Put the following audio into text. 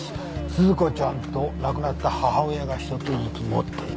鈴子ちゃんと亡くなった母親が一つずつ持っていた。